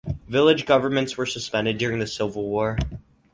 Village governments were suspended during the Civil War.